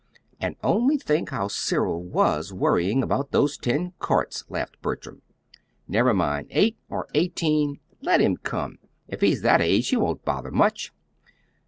"And only think how Cyril WAS worrying about those tin carts," laughed Bertram. "Never mind eight or eighteen let him come. If he's that age, he won't bother much."